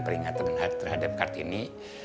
peringatan terhadap kartini